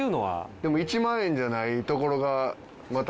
でも１万円じゃないところがまたあれやな。